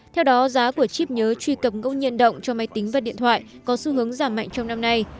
theo đó giá của chip nhớ truy cập ngẫu nhiên động cho máy tính và điện thoại có xu hướng giảm mạnh trong năm nay